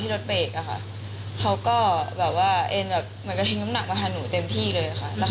ที่รถเปรกอะค่ะเขาก็เหมือนกระทิงกำหนักมาหาหนูเต็มที่เลยค่ะ